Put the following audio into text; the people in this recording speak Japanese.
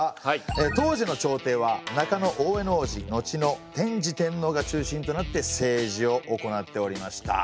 当時の朝廷は中大兄皇子後の天智天皇が中心となって政治を行っておりました。